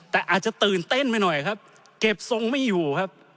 แต่อาจจะตื่นเต้นไปหน่อยครับเก็บทรงไม่อยู่ครับ